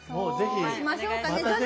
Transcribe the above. そうしましょうかね。